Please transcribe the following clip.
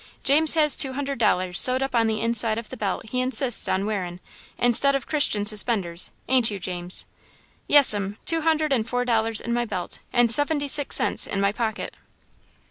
"James has two hundred dollars sewed up on the inside of the belt he insists on wearin', instead of Christian suspenders, ain't you, James?" "Yes'm, two hundred and four dollars in my belt and seventy six cents in my pocket."